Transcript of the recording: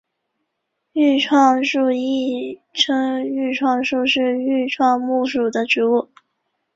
愈创树亦称愈创木是愈创木属的植物。